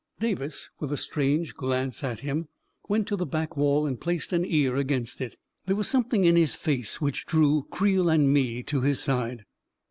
Davis, with a strange glance at him, went to the back wall and placed an ear against it. There was something in his face which drew Creel and me to his side.